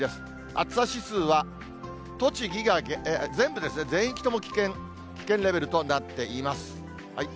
暑さ指数は栃木が、全部ですね、全域とも危険、危険レベルとなっています。